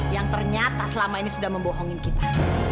yang ternyata selama ini sudah membohongin kita